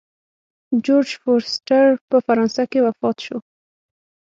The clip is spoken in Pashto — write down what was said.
جورج فورسټر په فرانسه کې وفات شو.